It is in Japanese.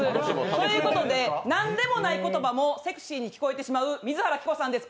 ということで、なんでもない言葉もセクシーに聞こえてしまう水原希子さんです。